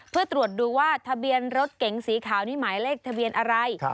เพื่อตรวจดูว่าทะเบียนรถเก๋งสีขาวนี่หมายเลขทะเบียนอะไร